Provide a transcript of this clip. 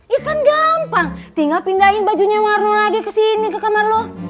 ya kan gampang tinggal pindahin bajunya warno lagi kesini ke kamar lu